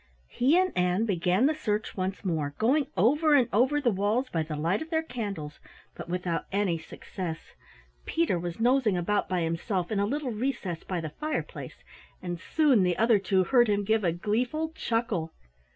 He and Ann began the search once more, going over and over the walls by the light of their candles, but without any success. Peter was nosing about by himself in a little recess by the fireplace, and soon the other two heard him give a gleeful chuckle.